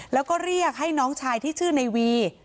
แล้วก็เรียกให้น้องชายที่ชื่อในวี